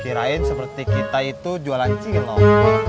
kirain seperti kita itu jualan cilok